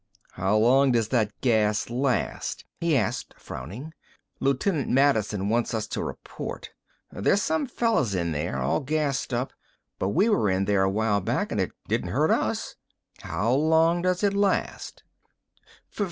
"How long does that gas last?" he asked, frowning. "Loot'n't Madison wants us to report. There's some fellers in there, all gassed up, but we were in there a while back an' it didn't hurt us. How long does it last?"